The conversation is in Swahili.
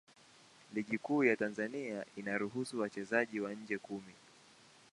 Ligi Kuu ya Tanzania inaruhusu wachezaji wa nje kumi.